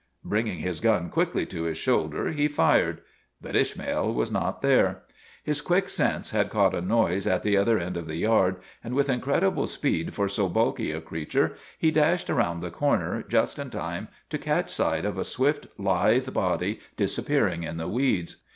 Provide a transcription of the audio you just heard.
Bringing his gun quickly to his shoulder, he fired ; but Ishmael was not there. His quick sense had caught a noise at the other end of the yard, and with incredible speed for so bulky a creature he dashed round the corner just in time to catch sight of a swift, lithe body disappearing in the weeds.